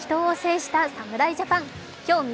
イタリアとの激闘を制した侍ジャパン。